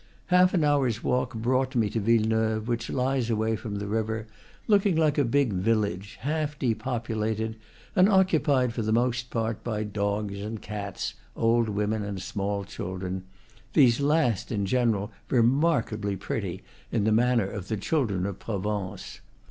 Half an hour's walk brought me to Villeneuve, which lies away from the river, looking like a big village, half depopulated, and occupied for the most part by dogs and cats, old women and small children; these last, in general, re markably pretty, in the manner of the children of Provence.